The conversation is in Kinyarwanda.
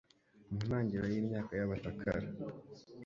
Mu ntangiriro y'imyaka ya bacakara